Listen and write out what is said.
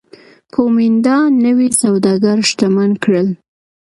کومېنډا نوي سوداګر شتمن کړل